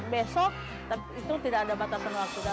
besok itu tidak ada batasan waktu